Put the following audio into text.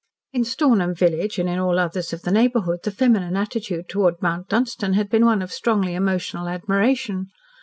In Stornham village and in all others of the neighbourhood the feminine attitude towards Mount Dunstan had been one of strongly emotional admiration.